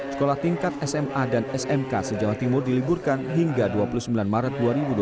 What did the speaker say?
sekolah tingkat sma dan smk se jawa timur diliburkan hingga dua puluh sembilan maret dua ribu dua puluh